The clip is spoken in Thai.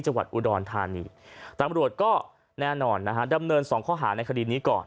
จังหวัดอุดรธานีตำรวจก็แน่นอนนะฮะดำเนินสองข้อหาในคดีนี้ก่อน